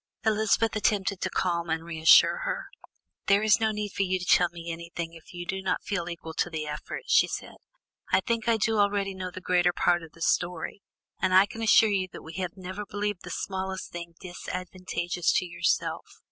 Elizabeth attempted to calm and reassure her. "There is no need for you to tell me anything if you do not feel equal to the effort," she said. "I think I do already know the greater part of the story, and I can assure you that we have never believed the smallest thing disadvantageous to yourself.